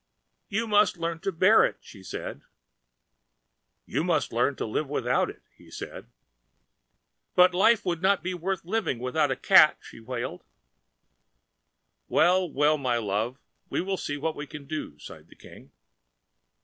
"You must learn to bear it!" said she. "You must learn to live without it!" said he. "But life would not be worth living without a cat!" she wailed. "Well, well, my love, we will see what we can do," sighed the King.